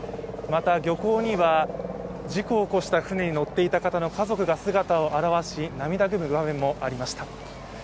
また漁港には、事故を起こした船に乗っていた方の家族が姿を現し、涙ぐむ場面もありました。